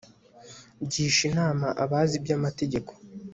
gisha inama abazi iby'amategeko